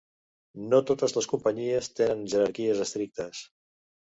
No totes les companyies tenen jerarquies estrictes.